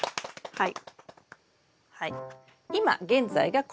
はい。